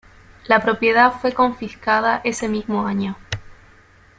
La propiedad fue confiscada ese mismo año.